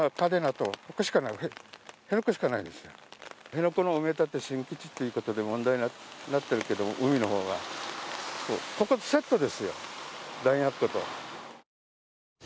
辺野古の埋め立て新基地ということで問題になっているけど、海の方は、こことセットですよ、弾薬庫と。